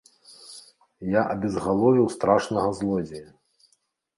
Я абезгаловіў страшнага злодзея!